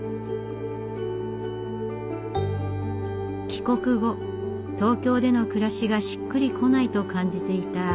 帰国後東京での暮らしがしっくりこないと感じていた若井さん。